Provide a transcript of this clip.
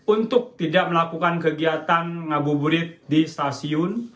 untuk tidak melakukan kegiatan ngabuburit di stasiun